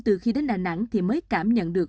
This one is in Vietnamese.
từ khi đến đà nẵng thì mới cảm nhận được